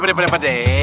pandai pandai pandai